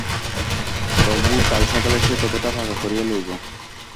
তবু কাল সকালেই সে কথাটা পাকা করিয়া লইব।